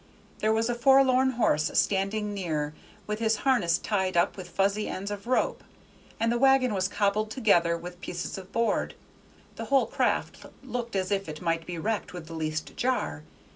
There was a forlorn horse standing near, with his harness tied up with fuzzy ends of rope, and the wagon was cobbled together with pieces of board; the whole craft looked as if it might be wrecked with the least jar.